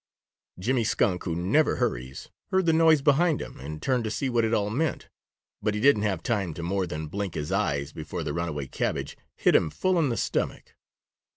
Jimmy Skunk, who never hurries, heard the noise behind him and turned to see what it all meant. But he didn't have time to more than blink his eyes before the runaway cabbage hit him full in the stomach.